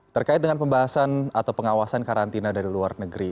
terkait dengan pembahasan atau pengawasan karantina dari luar negeri